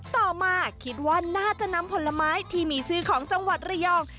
ต่อมาคิดว่าน่าจะนำผลไม้ที่มีชื่อของจังหวัดระยอง